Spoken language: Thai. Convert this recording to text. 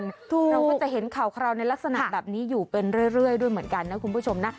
เราก็จะเห็นข่าวคราวในลักษณะแบบนี้อยู่เป็นเรื่อยด้วยเหมือนกันนะคุณผู้ชมนะ